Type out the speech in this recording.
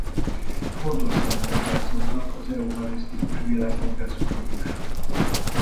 Fontos szerepet játszottak az eucharisztikus világkongresszusok is.